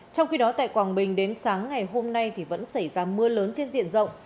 trong khi đó tại quảng bình đến sáng ngày hôm nay vẫn xảy ra mưa lớn trên diện rộng